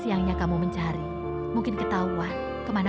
ayahku sudah lama tidak ada